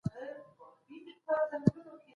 که وخت ولرئ نو دا کار به زده کړئ.